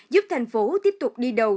giúp thành phố tiếp tục đi đầu